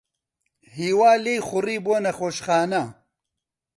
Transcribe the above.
ھیوا لێی خوڕی بۆ نەخۆشخانە.